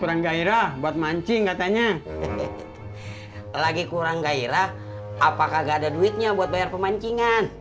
kurang gairah buat mancing katanya lagi kurang gairah apakah gak ada duitnya buat bayar pemancingan